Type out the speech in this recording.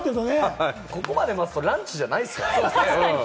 ここまで待つとランチじゃないですからね。